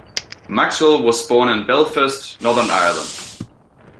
Maxwell was born in Belfast, Northern Ireland.